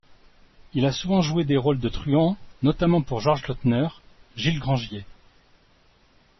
Il a souvent joué des rôles de truands notamment pour Georges Lautner, Gilles Grangier.